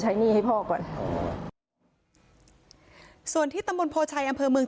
ใช้หนี้ให้พ่อก่อนส่วนที่ตำบนโพรชัยอำเผอมึง